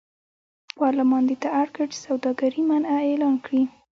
پارلمان دې ته اړ کړ چې سوداګري منع اعلان کړي.